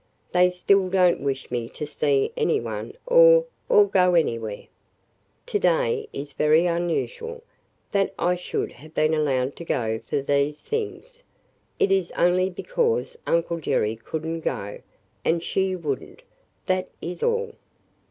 They still don't wish me to see any one or – or go anywhere. To day is very unusual – that I should have been allowed to go for these things. It is only because Uncle Jerry could n't go – and she would n't. That is all!"